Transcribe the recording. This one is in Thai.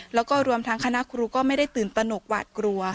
แล้วก็รวมทั้งคณะครูก็ไม่ได้ตื่นตนกหวาดกลัว